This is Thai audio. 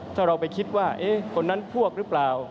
ถ้าเราไปคิดว่าคนนั้นพวกหรือเปล่า